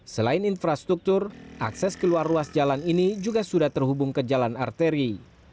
selain infrastruktur akses keluar ruas jalan ini juga sudah terhubung ke jalan arteri